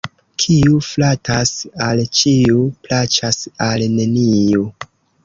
Kiu flatas al ĉiu, plaĉas al neniu.